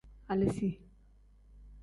Aleesi.